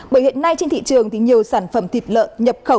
bởi hiện nay trên thị trường thì nhiều sản phẩm thịt lợn nhập khẩu